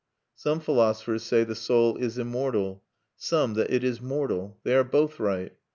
Some philosophers say the soul is immortal; some, that it is mortal. They are both right.